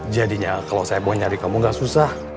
jadinya kalau saya mau nyari kamu gak susah